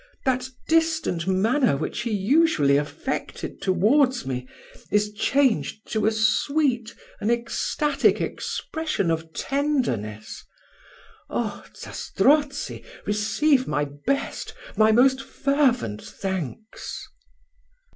That distant manner which he usually affected towards me, is changed to a sweet, an ecstatic expression of tenderness. Oh! Zastrozzi, receive my best, my most fervent thanks."